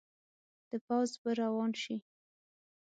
د پوځ به روان شي.